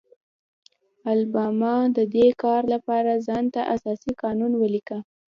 الاباما د دې کار لپاره ځان ته اساسي قانون ولیکه.